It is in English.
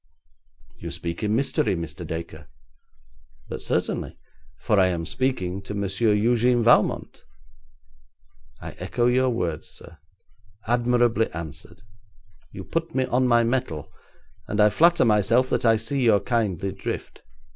'You speak in mystery, Mr. Dacre.' 'But certainly, for I am speaking to Monsieur Eugène Valmont.' 'I echo your words, sir. Admirably answered. You put me on my mettle, and I flatter myself that I see your kindly drift.